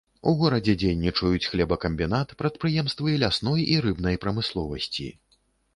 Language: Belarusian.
У горадзе дзейнічаюць хлебакамбінат, прадпрыемствы лясной і рыбнай прамысловасці.